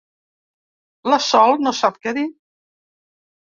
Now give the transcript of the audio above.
La Sol no sap què dir.